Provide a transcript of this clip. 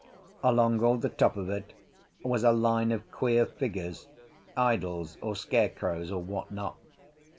Along all the top of it was a line of queer figures, idols or scarecrows, or what not.